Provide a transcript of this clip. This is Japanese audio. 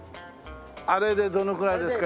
あれでどのくらいですか？